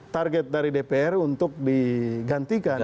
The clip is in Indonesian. target dari dpr untuk digantikan